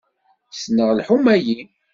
Ssneɣ lḥuma-yi.